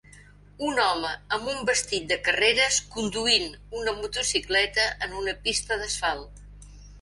Un home amb un vestit de carreres, conduint una motocicleta en una pista d'asfalt.